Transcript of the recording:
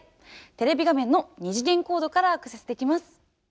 テレビ画面の二次元コードからアクセスできます。